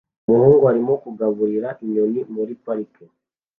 Umuhungu arimo kugaburira inyoni muri parike